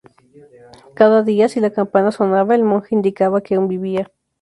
Cada día, si la campana sonaba, el monje indicaba que aún vivía.